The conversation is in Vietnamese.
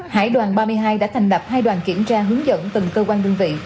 hải đoàn ba mươi hai đã thành lập hai đoàn kiểm tra hướng dẫn từng cơ quan đơn vị